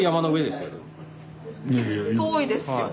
遠いですよ。